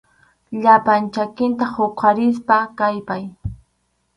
Llapan chakinta huqarispa kallpay.